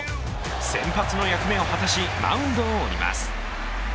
先発の役目を果たしマウンドを降ります。